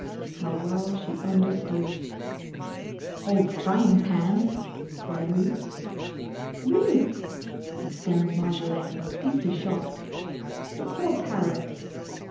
How well she understood! "Old frying pan!" cried Ruth. "Ruth!" exclaimed Marjolaine, deeply shocked. "The poor parrot."